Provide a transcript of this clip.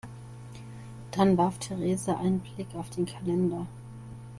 Dann warf Theresa einen Blick auf den Kalender.